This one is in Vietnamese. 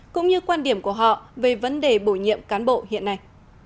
cũng như quan điểm của họ về vấn đề bổ nhiệm cán bộ hiện nay